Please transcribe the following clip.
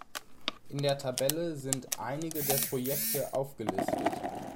In der Tabelle sind einige der Projekte aufgelistet.